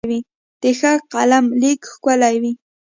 د ښه قلم لیک ښکلی وي.